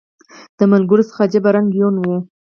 د ملګرو څه عجیبه رنګه یون و